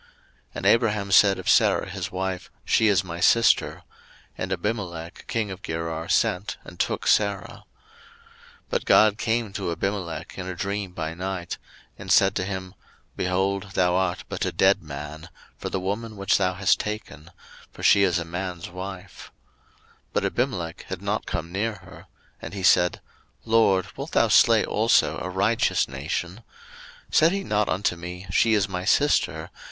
01:020:002 And Abraham said of Sarah his wife, She is my sister: and Abimelech king of Gerar sent, and took Sarah. 01:020:003 But God came to Abimelech in a dream by night, and said to him, Behold, thou art but a dead man, for the woman which thou hast taken; for she is a man's wife. 01:020:004 But Abimelech had not come near her: and he said, LORD, wilt thou slay also a righteous nation? 01:020:005 Said he not unto me, She is my sister?